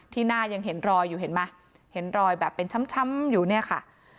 หน้ายังเห็นรอยอยู่เห็นไหมเห็นรอยแบบเป็นช้ำอยู่เนี่ยค่ะ